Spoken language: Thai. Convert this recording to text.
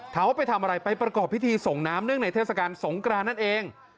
ถามว่าไปทำอะไรไปประกอบพิธีส่งน้ำเนื่องในเทศกาลสงกรานนั่นเอง